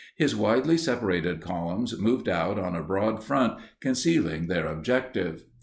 His widely separated columns moved out on a broad front concealing their objective.